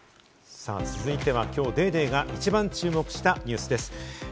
続いては今日『ＤａｙＤａｙ．』が一番注目したニュースです。